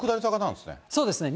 そうですね。